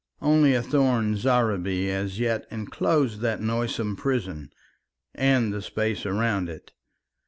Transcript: Only a thorn zareeba as yet enclosed that noisome prison and the space about it.